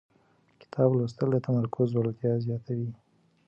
کتاب لوستل د تمرکز وړتیا زیاتوي